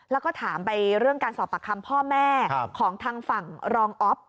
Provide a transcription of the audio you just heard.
แล้วก็ถามไปเรื่องการสอบปากคำพ่อแม่ของทางฝั่งรองอ๊อฟ